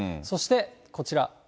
そして、こちら。